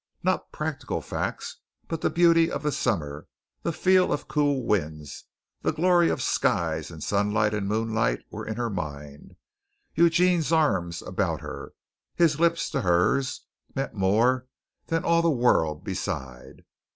Not practical facts but the beauty of the summer, the feel of cool winds, the glory of skies and sunlight and moonlight, were in her mind. Eugene's arms about her, his lips to hers, meant more than all the world beside.